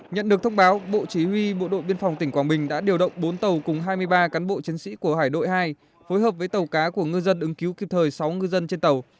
nhận được thông báo bộ chỉ huy bộ đội biên phòng tỉnh quảng bình đã điều động bốn tàu cùng hai mươi ba cán bộ chiến sĩ của hải đội hai phối hợp với tàu cá của ngư dân ứng cứu kịp thời sáu ngư dân trên tàu